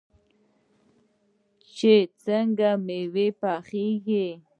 چې څنګه میوه پخیږي.